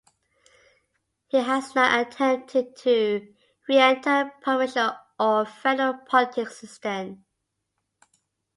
He has not attempted to re-enter provincial or federal politics since then.